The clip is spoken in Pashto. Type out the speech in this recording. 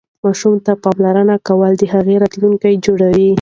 ماسوم ته پاملرنه کول د هغه راتلونکی جوړوي.